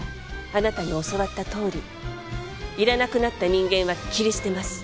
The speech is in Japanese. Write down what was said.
あなたに教わったとおりいらなくなった人間は切り捨てます。